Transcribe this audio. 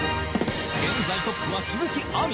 現在トップは鈴木亜美